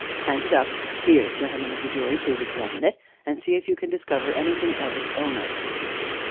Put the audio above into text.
"Hand it up. Here, gentlemen of the jury, please to examine it, and see if you can discover anything of its owner."